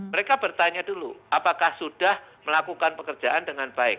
mereka bertanya dulu apakah sudah melakukan pekerjaan dengan baik